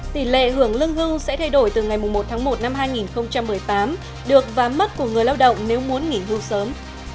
tỷ lệ hưởng lương hưu sẽ thay đổi từ ngày một tháng một năm hai nghìn một mươi tám được và mất của người lao động nếu muốn nghỉ hưu sớm